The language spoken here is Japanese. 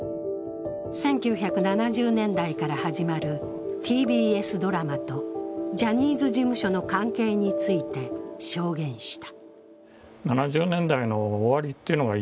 １９７０年代から始まるＴＢＳドラマとジャニーズ事務所の関係について証言した。